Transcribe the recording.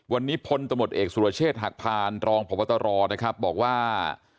วันนี้พลตำรวจเอกสุรเชษฐ์หักพานรองพบตรนะครับบอกว่า